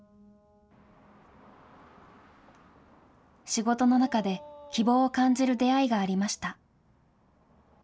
仕事の中で、希望を感じる出会いがありました。